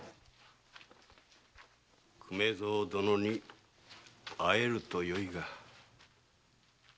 粂蔵殿に会えるとよいが。